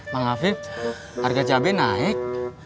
mang afib harga cabai naik